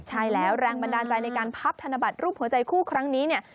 ใช่แล้วแรงบันดาลใจในการพับธนบัตรรูปหัวใจคู่ครั้งนี้เนี่ย